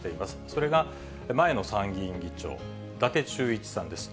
それが前の参議院議長、伊達忠一さんです。